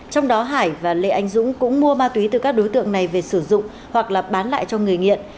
trong đó hải và lê anh dũng cũng mua ma túy từ các đối tượng này về sử dụng hoặc là bán lại cho người nghiện